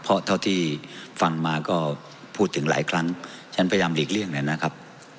เพราะเท่าที่ฟังมาก็พูดถึงหลายครั้งฉันพยายามหลีกเลี่ยงนะครับ